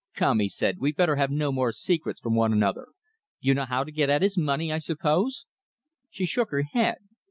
"Come," he said. "We'd better have no secrets from one another. You know how to get at his money, I suppose?" She shook her head.